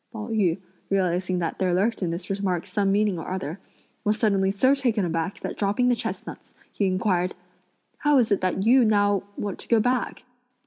Pao yü, realising that there lurked in this remark some meaning or other, was suddenly so taken aback that dropping the chestnuts, he inquired: "How is it that you now want to go back?"